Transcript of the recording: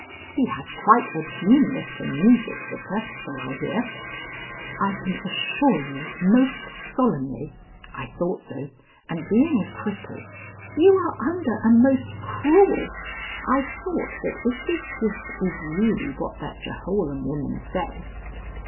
"He has quite a genius for music, Vicar, so I hear?" "I can assure you most solemnly " "I thought so. And being a cripple " "You are under a most cruel " "I thought that if his gift is really what that Jehoram woman says."